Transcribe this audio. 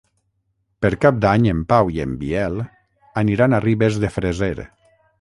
Per Cap d'Any en Pau i en Biel aniran a Ribes de Freser.